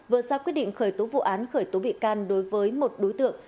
vừa ra quyết định khởi tố vụ án khởi tố bị can đối với một đối tượng